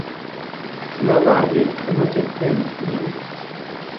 L'avar ric no té parent ni amic.